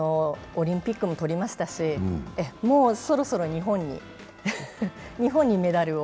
オリンピックも取りましたしもうそろそろ日本にメダルを。